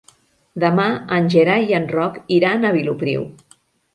Demà en Gerai i en Roc iran a Vilopriu.